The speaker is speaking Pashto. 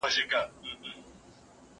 تاسو چي ول موږ به کله راسو